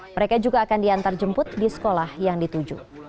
mereka juga akan diantarjemput di sekolah yang dituju